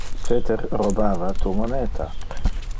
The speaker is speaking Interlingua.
Peter robava tu moneta.